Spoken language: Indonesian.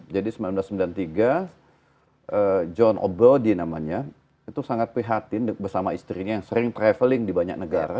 jadi seribu sembilan ratus sembilan puluh tiga john o'body namanya itu sangat prihatin bersama istrinya yang sering travelling di banyak negara